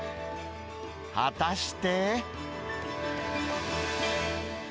果たして。